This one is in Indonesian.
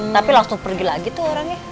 tapi langsung pergi lagi tuh orangnya